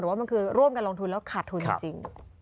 ว่ามันคือร่วมกันลงทุนแล้วขาดทุนจริง